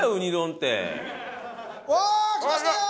おお来ましたよ。